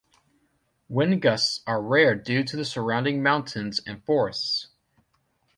Wind gusts are rare due to the surrounding mountains and forests.